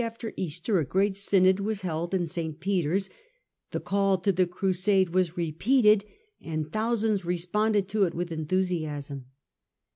173 after Easter a great synod was held in St. Peter's, the call to the crasade was repeated, and thousands re sponded to it with enthusiasm.